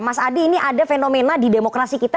mas adi ini ada fenomena di demokrasi kita